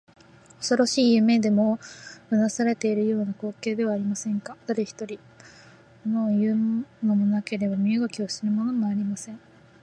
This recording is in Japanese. おそろしい夢にでもうなされているような光景ではありませんか。だれひとり、ものをいうものもなければ身動きするものもありません。